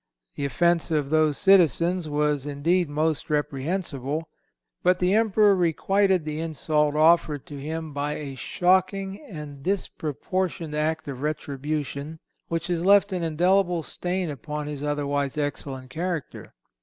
The offence of those citizens was indeed most reprehensible; but the Emperor requited the insult offered to him by a shocking and disproportioned act of retribution, which has left an indelible stain upon his otherwise excellent character.